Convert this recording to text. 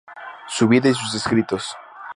Su vida y sus escritos".